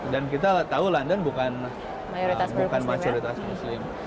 dan kita tahu london bukan mayoritas muslim